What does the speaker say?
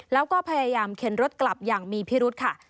แล้วก็พยายามเข็นรถกลับอย่างมีพิรุธค่ะ